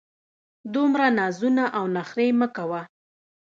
دومره نازونه او نخرې مه کوه!